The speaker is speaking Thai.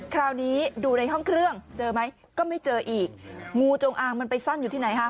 คราวนี้ดูในห้องเครื่องเจอไหมก็ไม่เจออีกงูจงอางมันไปซ่อนอยู่ที่ไหนฮะ